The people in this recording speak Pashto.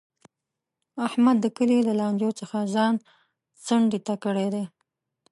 احمد د کلي له لانجو څخه ځان څنډې ته کړی دی.